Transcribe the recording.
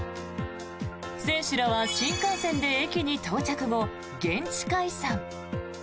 選手らは新幹線で駅に到着後現地解散。